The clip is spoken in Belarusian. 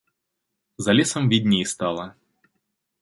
За лесам відней стала.